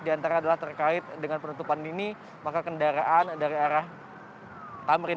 di antara adalah terkait dengan penutupan ini maka kendaraan dari arah tamrin